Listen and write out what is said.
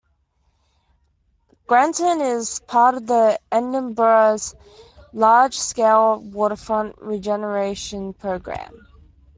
Granton is part of Edinburgh's large scale waterfront regeneration programme.